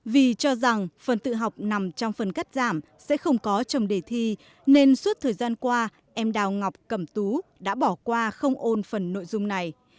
vì cho rằng phần tự học nằm trong phần cắt giảm sẽ không có trong đề thi nên suốt thời gian qua em đào ngọc cẩm tú đã bỏ qua không ôn phần nội dung này